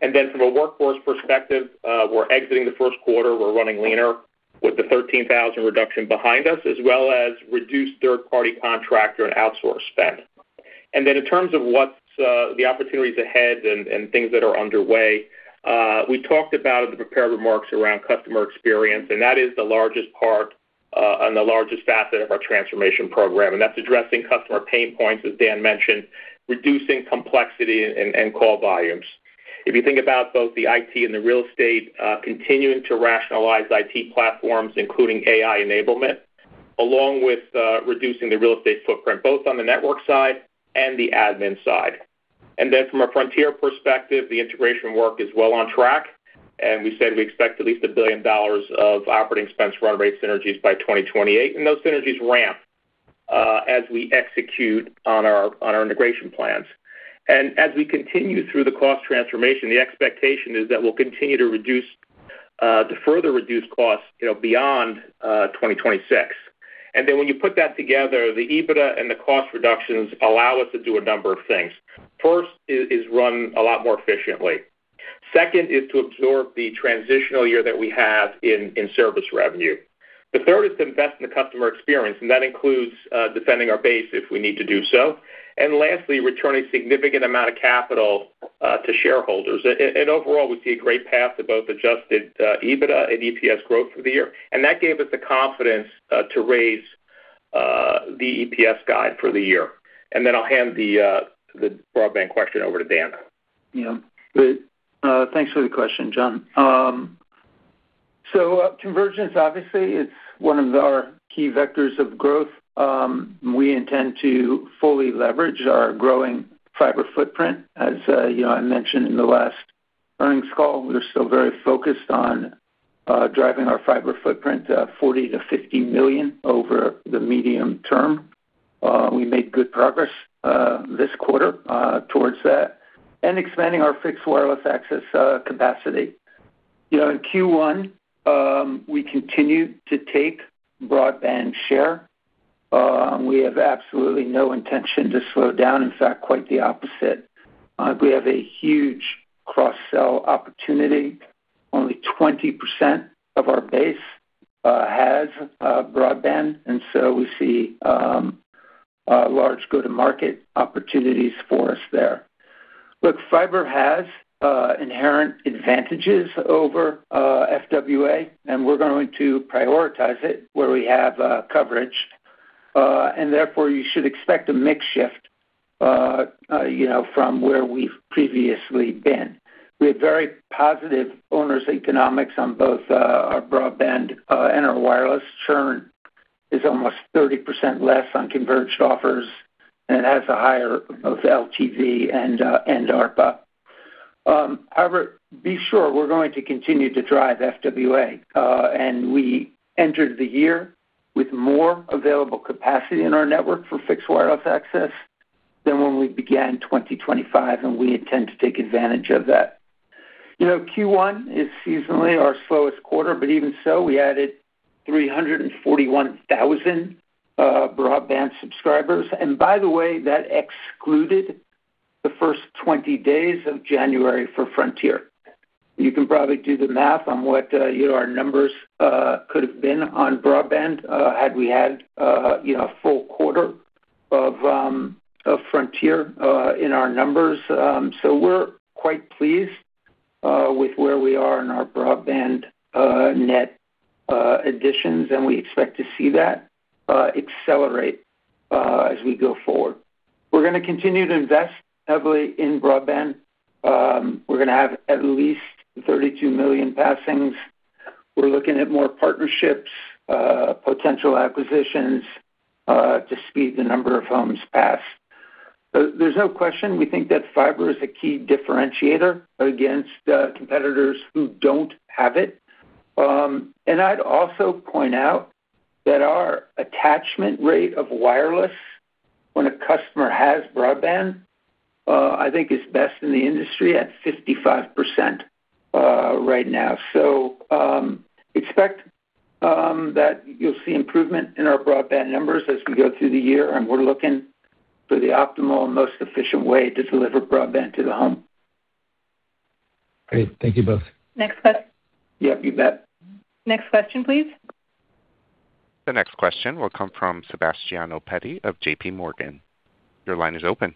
D: Then from a workforce perspective, we're exiting the first quarter, we're running leaner with the 13,000 reduction behind us, as well as reduced third-party contractor and outsource spend. Then in terms of what's the opportunities ahead and things that are underway, we talked about in the prepared remarks around customer experience, and that is the largest part on the largest facet of our transformation program, and that's addressing customer pain points, as Dan mentioned, reducing complexity and call volumes. If you think about both the IT and the real estate, continuing to rationalize IT platforms, including AI enablement, along with reducing the real estate footprint, both on the network side and the admin side. From a Frontier perspective, the integration work is well on track. We said we expect at least $1 billion of operating expense run rate synergies by 2028, and those synergies ramp as we execute on our integration plans. As we continue through the cost transformation, the expectation is that we'll continue to reduce, to further reduce costs, you know, beyond 2026. When you put that together, the EBITDA and the cost reductions allow us to do a number of things. First is run a lot more efficiently. Second is to absorb the transitional year that we have in service revenue. The third is to invest in the customer experience, and that includes defending our base if we need to do so. Lastly, returning significant amount of capital to shareholders. Overall, we see a great path to both adjusted EBITDA and EPS growth for the year, and that gave us the confidence to raise the EPS guide for the year. Then I'll hand the broadband question over to Dan.
C: Yeah. Good. Thanks for the question, John. So convergence obviously is one of our key vectors of growth. We intend to fully leverage our growing fiber footprint. As you know, I mentioned in the last earnings call, we're still very focused on driving our fiber footprint 40 million-50 million over the medium term. We made good progress this quarter towards that and expanding our fixed wireless access capacity. You know, in Q1, we continued to take broadband share. We have absolutely no intention to slow down, in fact, quite the opposite. We have a huge cross-sell opportunity. Only 20% of our base has broadband, and so we see large go-to-market opportunities for us there. Look, fiber has inherent advantages over FWA, and we're going to prioritize it where we have coverage. Therefore, you should expect a mix shift, you know, from where we've previously been. We have very positive unit economics on both our broadband and our wireless. Churn is almost 30% less on converged offers, and it has higher both LTV and ARPA. However, be sure we're going to continue to drive FWA, and we entered the year with more available capacity in our network for fixed wireless access than when we began 2025, and we intend to take advantage of that. You know, Q1 is seasonally our slowest quarter, but even so, we added 341,000 broadband subscribers. By the way, that excluded the first 20 days of January for Frontier. You can probably do the math on what, you know, our numbers could have been on broadband, had we had, you know, a full quarter of Frontier in our numbers. We're quite pleased with where we are in our broadband net additions, and we expect to see that accelerate as we go forward. We're gonna continue to invest heavily in broadband. We're gonna have at least 32 million passings. We're looking at more partnerships, potential acquisitions, to speed the number of homes passed. There's no question we think that fiber is a key differentiator against competitors who don't have it. I'd also point out that our attachment rate of wireless when a customer has broadband, I think is best in the industry at 55%, right now. Expect that you'll see improvement in our broadband numbers as we go through the year, and we're looking for the optimal and most efficient way to deliver broadband to the home.
G: Great. Thank you both.
B: Next.
C: Yeah, you bet.
B: Next question, please.
A: The next question will come from Sebastiano Petti of JPMorgan. Your line is open.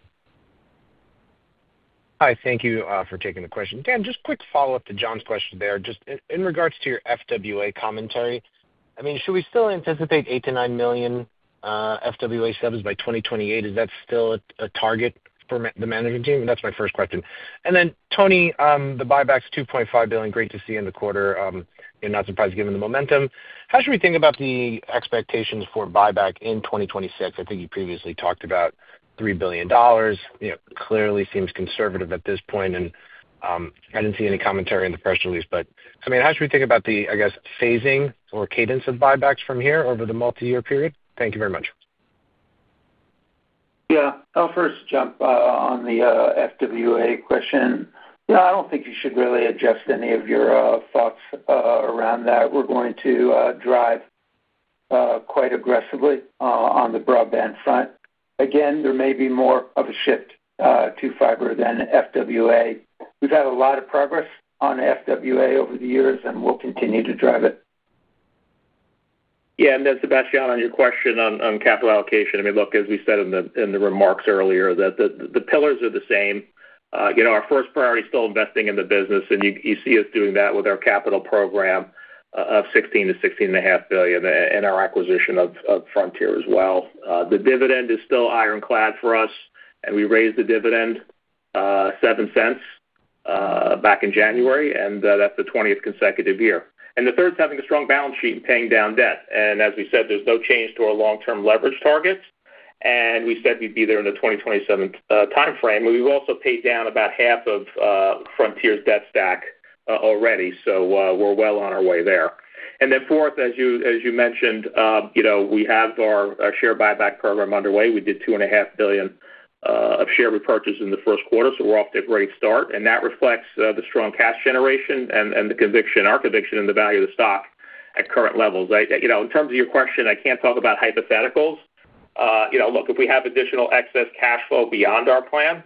H: Hi. Thank you for taking the question. Dan, just quick follow-up to John's question there. Just in regards to your FWA commentary, I mean, should we still anticipate 8 million-9 million FWA subs by 2028? Is that still a target for the management team? That's my first question. Then Tony, the buyback's $2.5 billion, great to see in the quarter. You're not surprised given the momentum. How should we think about the expectations for buyback in 2026? I think you previously talked about $3 billion. You know, clearly seems conservative at this point, and I didn't see any commentary in the press release. I mean, how should we think about the phasing or cadence of buybacks from here over the multiyear period? Thank you very much.
C: Yeah. I'll first jump on the FWA question. Yeah, I don't think you should really adjust any of your thoughts around that. We're going to drive quite aggressively on the broadband front. Again, there may be more of a shift to fiber than FWA. We've had a lot of progress on FWA over the years, and we'll continue to drive it.
D: Yeah. Sebastiano, on your question on capital allocation, I mean, look, as we said in the remarks earlier, that the pillars are the same. You know, our first priority is still investing in the business, and you see us doing that with our capital program of $16 billion-$16.5 billion and our acquisition of Frontier as well. The dividend is still ironclad for us, and we raised the dividend $0.07 back in January, and that's the 20th consecutive year. The third's having a strong balance sheet and paying down debt. As we said, there's no change to our long-term leverage targets. We said we'd be there in the 2027 timeframe. We've also paid down about half of Frontier's debt stack already, so we're well on our way there. Then fourth, as you mentioned, you know, we have our share buyback program underway. We did $2.5 billion of share repurchase in the first quarter, so we're off to a great start, and that reflects the strong cash generation and the conviction, our conviction in the value of the stock at current levels. I, you know, in terms of your question, I can't talk about hypotheticals. You know, look, if we have additional excess cash flow beyond our plan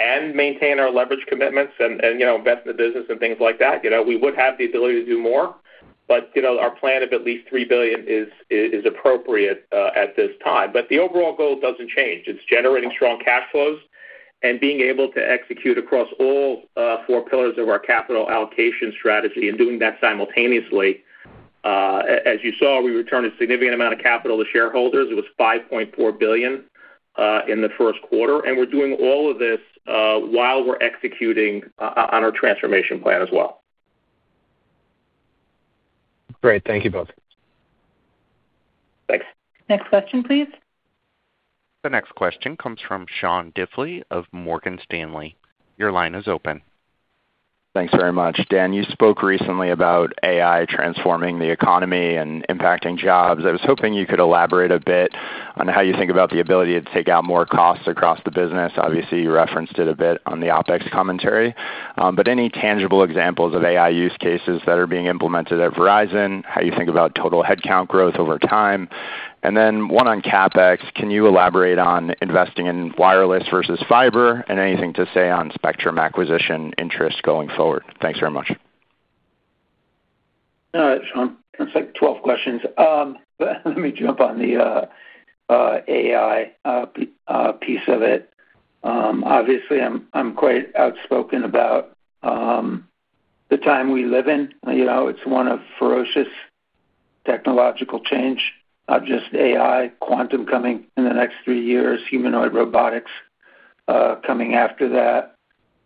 D: and maintain our leverage commitments and you know, invest in the business and things like that, you know, we would have the ability to do more. You know, our plan of at least $3 billion is appropriate at this time. The overall goal doesn't change. It's generating strong cash flows and being able to execute across all four pillars of our capital allocation strategy and doing that simultaneously. As you saw, we returned a significant amount of capital to shareholders. It was $5.4 billion in the first quarter. We're doing all of this while we're executing on our transformation plan as well.
H: Great. Thank you both.
C: Thanks.
B: Next question, please.
A: The next question comes from Sean Diffley of Morgan Stanley. Your line is open.
I: Thanks very much. Dan, you spoke recently about AI transforming the economy and impacting jobs. I was hoping you could elaborate a bit on how you think about the ability to take out more costs across the business. Obviously, you referenced it a bit on the OpEx commentary. Any tangible examples of AI use cases that are being implemented at Verizon, how you think about total headcount growth over time. One on CapEx, can you elaborate on investing in wireless versus fiber, and anything to say on spectrum acquisition interest going forward? Thanks very much.
C: All right, Sean. That's like 12 questions. Let me jump on the AI piece of it. Obviously, I'm quite outspoken about the time we live in. You know, it's one of ferocious technological change, just AI, quantum coming in the next three years, humanoid robotics coming after that.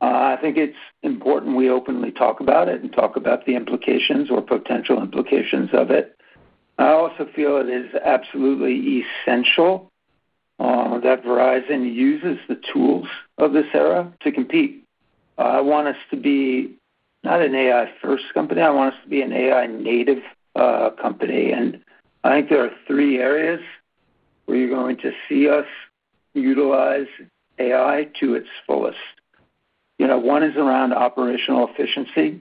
C: I think it's important we openly talk about it and talk about the implications or potential implications of it. I also feel it is absolutely essential that Verizon uses the tools of this era to compete. I want us to be not an AI-first company, I want us to be an AI-native company. I think there are three areas where you're going to see us utilize AI to its fullest. You know, one is around operational efficiency,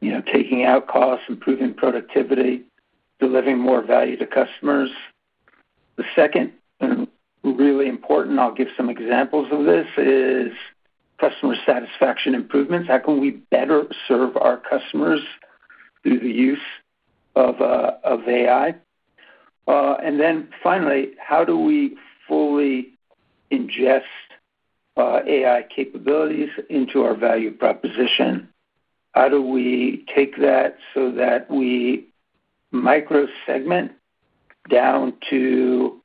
C: you know, taking out costs, improving productivity, delivering more value to customers. The second, and really important, I'll give some examples of this, is customer satisfaction improvements. How can we better serve our customers through the use of AI? And then finally, how do we fully ingest AI capabilities into our value proposition? How do we take that so that we micro-segment down to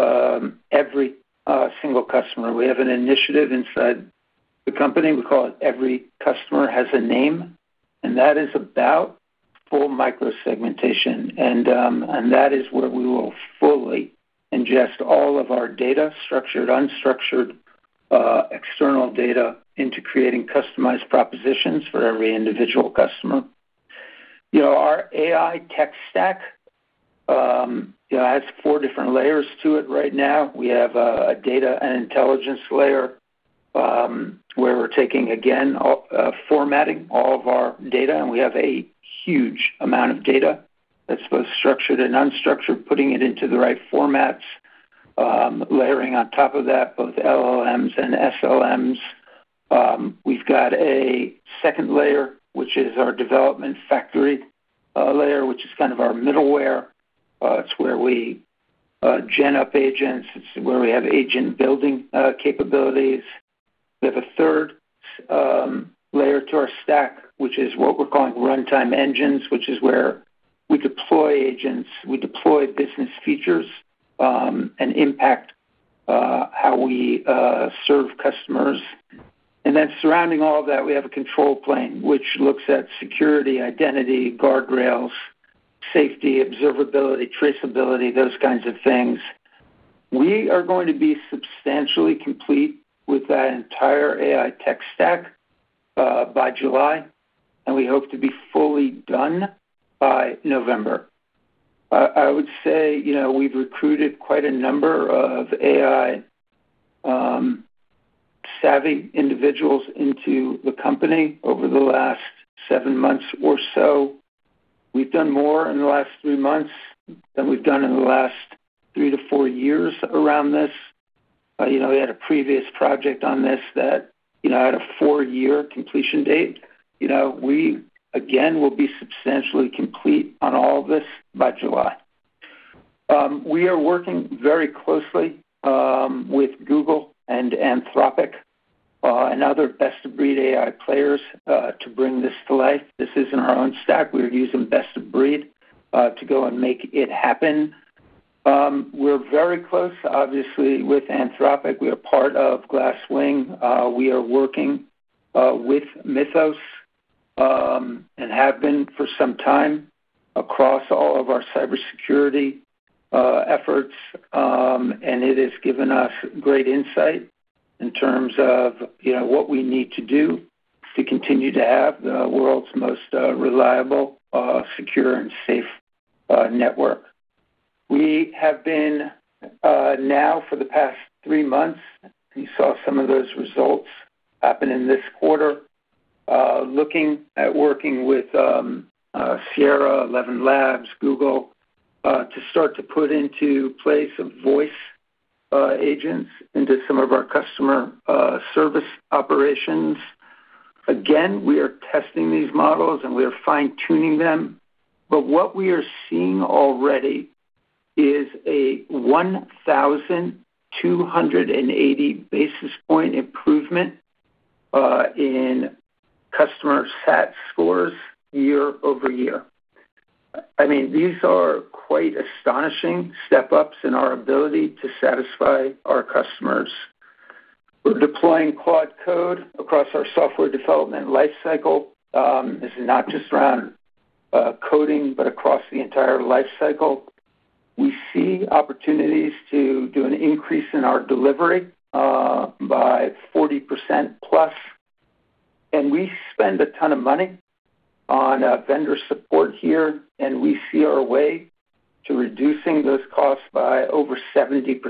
C: every single customer? We have an initiative inside the company. We call it Every Customer Has a Name, and that is about full micro-segmentation. That is where we will fully ingest all of our data, structured, unstructured, external data, into creating customized propositions for every individual customer. You know, our AI tech stack, you know, has four different layers to it right now. We have a data and intelligence layer, where we're taking, again, formatting all of our data, and we have a huge amount of data that's both structured and unstructured, putting it into the right formats, layering on top of that, both LLMs and SLMs. We've got a second layer, which is our development factory layer, which is kind of our middleware. It's where we spin up agents. It's where we have agent building capabilities. We have a third layer to our stack, which is what we're calling runtime engines, which is where we deploy agents, we deploy business features, and impact how we serve customers. Surrounding all of that, we have a control plane, which looks at security, identity, guardrails, safety, observability, traceability, those kinds of things. We are going to be substantially complete with that entire AI tech stack by July, and we hope to be fully done by November. I would say, you know, we've recruited quite a number of AI savvy individuals into the company over the last seven months or so. We've done more in the last three months than we've done in the last three to four years around this. You know, we had a previous project on this that, you know, had a four-year completion date. You know, we again will be substantially complete on all of this by July. We are working very closely with Google and Anthropic and other best-of-breed AI players to bring this to life. This isn't our own stack. We are using best of breed to go and make it happen. We're very close, obviously, with Anthropic. We are part of Glasswing. We are working with Mythos and have been for some time across all of our cybersecurity efforts. It has given us great insight in terms of, you know, what we need to do to continue to have the world's most reliable, secure and safe network. We have been, now for the past three months, we saw some of those results happen in this quarter, looking at working with Sierra, ElevenLabs, Google, to start to put into place some voice agents into some of our customer service operations. Again, we are testing these models, and we are fine-tuning them. What we are seeing already is a 1,280 basis point improvement in customer sat scores year-over-year. I mean, these are quite astonishing step ups in our ability to satisfy our customers. We're deploying Quadcode across our software development lifecycle. This is not just around coding, but across the entire lifecycle. We see opportunities to do an increase in our delivery by 40%+. We spend a ton of money on vendor support here, and we see our way to reducing those costs by over 70%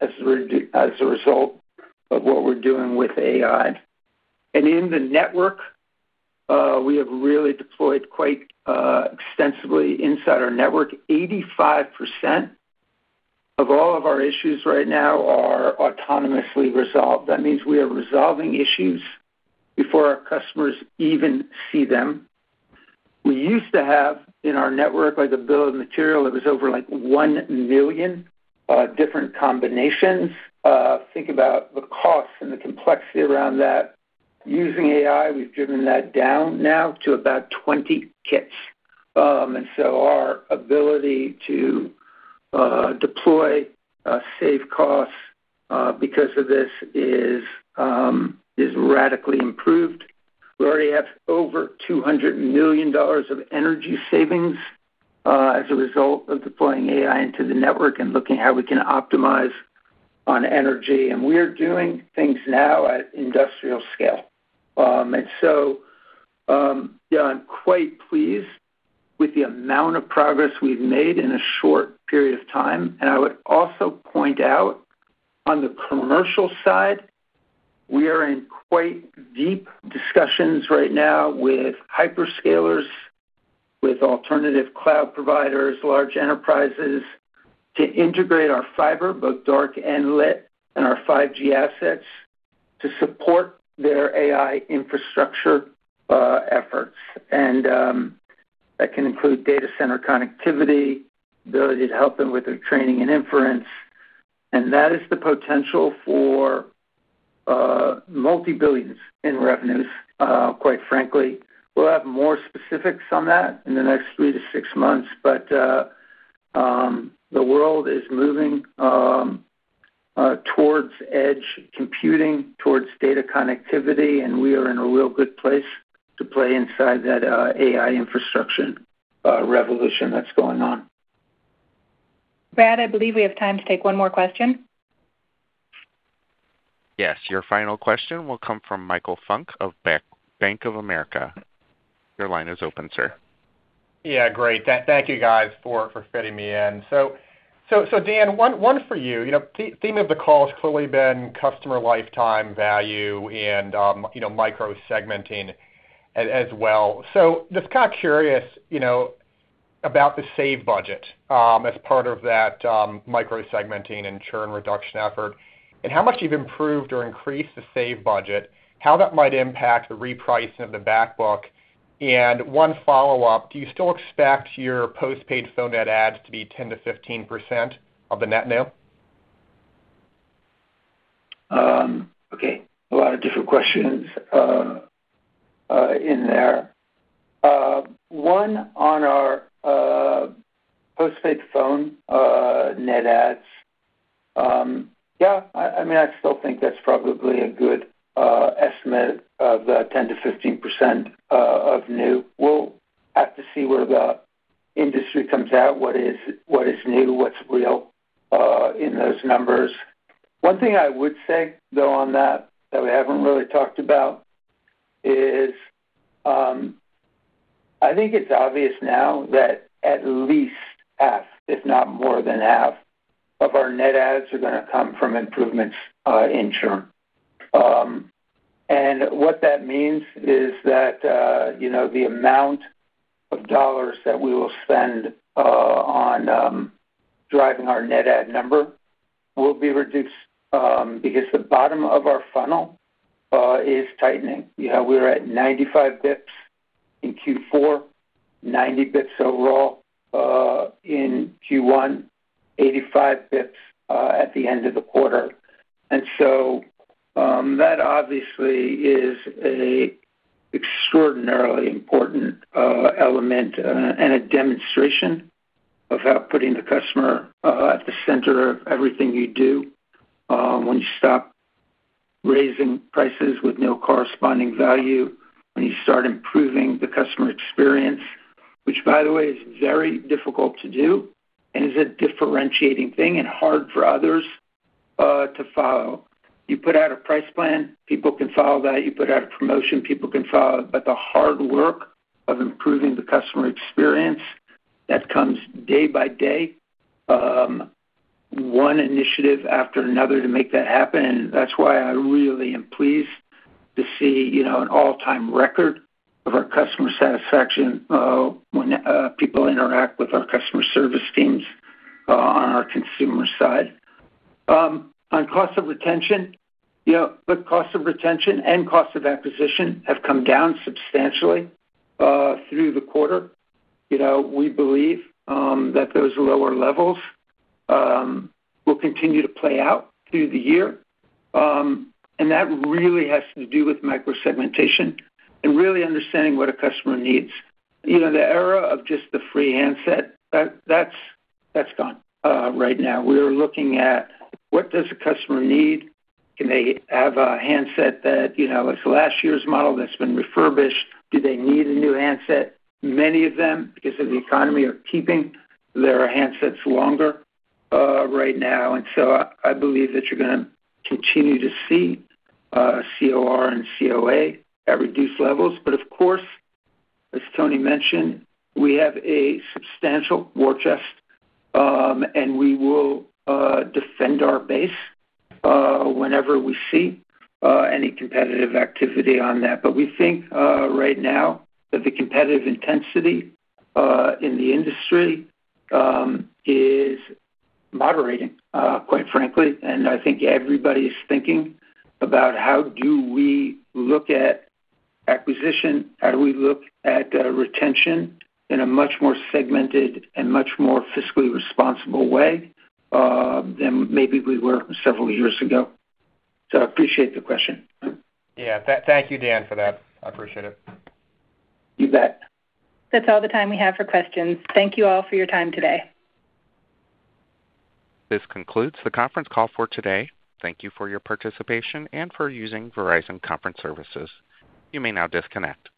C: as a result of what we're doing with AI. In the network, we have really deployed quite extensively inside our network. 85% of all of our issues right now are autonomously resolved. That means we are resolving issues before our customers even see them. We used to have in our network, like, a bill of material that was over, like, 1 million different combinations. Think about the cost and the complexity around that. Using AI, we've driven that down now to about 20 kits. Our ability to deploy and save costs because of this is radically improved. We already have over $200 million of energy savings as a result of deploying AI into the network and looking how we can optimize on energy. We are doing things now at industrial scale. I'm quite pleased with the amount of progress we've made in a short period of time. I would also point out on the commercial side, we are in quite deep discussions right now with hyperscalers, with alternative cloud providers, large enterprises, to integrate our fiber, both dark and lit, and our 5G assets to support their AI infrastructure efforts. That can include data center connectivity, ability to help them with their training and inference. That is the potential for multi-billions in revenues, quite frankly. We'll have more specifics on that in the next three to six months. The world is moving towards edge computing, towards data connectivity, and we are in a real good place to play inside that AI infrastructure revolution that's going on.
B: Brad, I believe we have time to take one more question.
A: Yes. Your final question will come from Michael Funk of Bank of America. Your line is open, sir.
J: Yeah, great. Thank you guys for fitting me in. Dan, one for you. You know, theme of the call has clearly been customer lifetime value and, you know, micro-segmenting as well. Just kind of curious, you know, about the save budget as part of that micro-segmenting and churn reduction effort and how much you've improved or increased the save budget, how that might impact the reprice of the back book. One follow-up, do you still expect your postpaid phone net adds to be 10%-15% of the net new?
C: Okay. A lot of different questions in there. One on our postpaid phone net adds. Yeah, I mean, I still think that's probably a good estimate of the 10%-15% of new. We'll have to see where the industry comes out, what is new, what's real in those numbers. One thing I would say though on that that we haven't really talked about is, I think it's obvious now that at least half, if not more than half of our net adds are gonna come from improvements in churn. What that means is that, you know, the amount of dollars that we will spend on driving our net add number will be reduced, because the bottom of our funnel is tightening. You know, we were at 95 basis points in Q4, 90 basis points overall in Q1, 85 basis points at the end of the quarter. That obviously is a extraordinarily important element and a demonstration of how putting the customer at the center of everything you do, when you stop raising prices with no corresponding value, when you start improving the customer experience, which by the way is very difficult to do and is a differentiating thing and hard for others to follow. You put out a price plan; people can follow that. You put out a promotion; people can follow it. But the hard work of improving the customer experience, that comes day by day, one initiative after another to make that happen. That's why I really am pleased to see, you know, an all-time record of our customer satisfaction, when people interact with our customer service teams on our consumer side. On cost of retention, you know, both cost of retention and cost of acquisition have come down substantially, through the quarter. You know, we believe that those lower levels will continue to play out through the year. That really has to do with micro-segmentation and really understanding what a customer needs. You know, the era of just the free handset, that's gone. Right now, we're looking at what does a customer need? Can they have a handset that, you know, is last year's model that's been refurbished? Do they need a new handset? Many of them, because of the economy, are keeping their handsets longer, right now. I believe that you're gonna continue to see COR and COA at reduced levels. But of course, as Tony mentioned, we have a substantial war chest, and we will defend our base whenever we see any competitive activity on that. But we think right now that the competitive intensity in the industry is moderating quite frankly. I think everybody's thinking about how do we look at acquisition, how do we look at retention in a much more segmented and much more fiscally responsible way than maybe we were several years ago. I appreciate the question.
J: Yeah. Thank you, Dan, for that. I appreciate it.
C: You bet.
B: That's all the time we have for questions. Thank you all for your time today.
A: This concludes the conference call for today. Thank you for your participation and for using Verizon Conference Services. You may now disconnect.